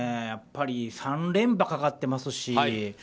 やっぱり３連覇かかっていますし。